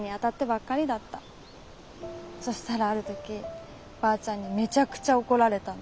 そしたらある時ばあちゃんにめちゃくちゃ怒られたの。